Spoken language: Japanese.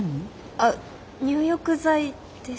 あっ入浴剤です。